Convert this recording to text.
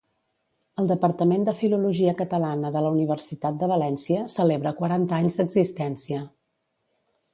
El Departament de Filologia Catalana de la Universitat de València celebra quaranta anys d'existència.